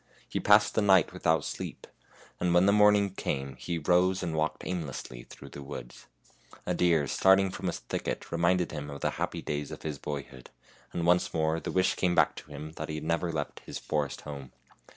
He passed the night without sleep, and when the morning came he rose and walked aimlessly through the woods. A deer starting from a thicket reminded him of the happy days of his boyhood, and once more the wish came back to him that he had never left his forest home.